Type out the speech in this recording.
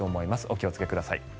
お気をつけください。